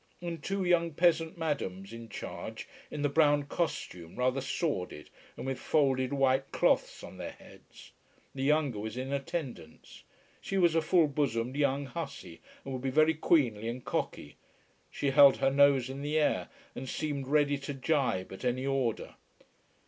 And two young peasant madams in charge, in the brown costume, rather sordid, and with folded white cloths on their heads. The younger was in attendance. She was a full bosomed young hussy, and would be very queenly and cocky. She held her nose in the air, and seemed ready to jibe at any order.